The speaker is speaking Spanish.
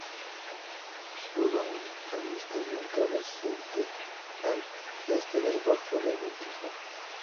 Hubo un avistamiento reciente al este del golfo de Montijo.